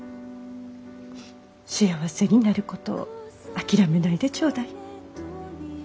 幸せになることを諦めないでちょうだい。